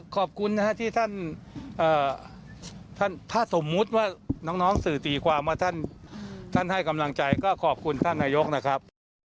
ก็ต้องขอขอบคุณนายกด้วย